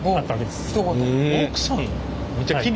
奥さんの？